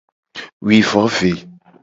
Wi vo ve.